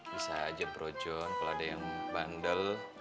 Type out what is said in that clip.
bisa aja bro john kalau ada yang bandel